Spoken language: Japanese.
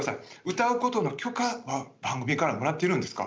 歌うことの許可は番組からもらっているんですか？